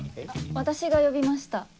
私が呼びました。